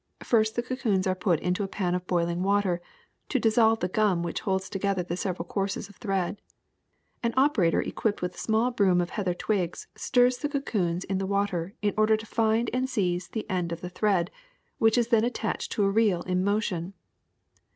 First the cocoons are put into a pan of boiling water to dissolve the gum which holds together the several courses of thread. An operator equipped with a small broom of heather twigs stirs the cocoons in the water in order to find and seize the end of the thread, which is then attached to a reel in motion.